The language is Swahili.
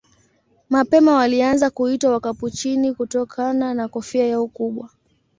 Mapema walianza kuitwa Wakapuchini kutokana na kofia yao kubwa.